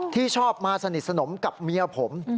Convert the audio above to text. ที่ชอบมาสนิทสนมกับเมียผม